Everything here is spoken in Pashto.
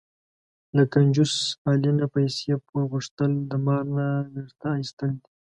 له کنجوس علي نه پیسې پور غوښتل، د مار نه وېښته ایستل دي.